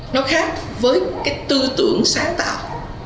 nó khác với cái tư tưởng sáng tạo